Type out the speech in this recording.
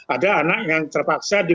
ada anak yang terpaksa di